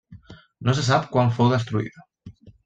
No se sap quan fou destruïda.